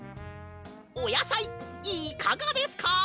おやさいいかがですか？